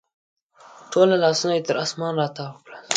ټوله لاسونه یې تر اسمان راتاو کړل